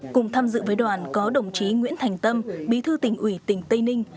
cùng tham dự với đoàn có đồng chí nguyễn thành tâm bí thư tỉnh ủy tỉnh tây ninh